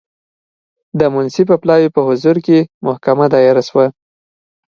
د منصفه پلاوي په حضور کې محکمه دایره شوه.